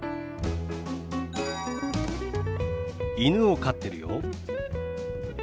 犬を飼ってるよ。